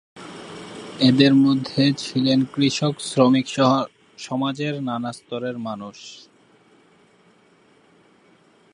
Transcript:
এদের মধ্যে ছিলেন কৃষক, শ্রমিক, ছাত্র সহ সমাজের নানা স্তরের মানুষ।